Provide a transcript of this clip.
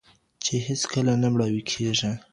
چې هېڅکله نه مړاوی کېږي.